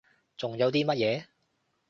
仲有啲乜嘢？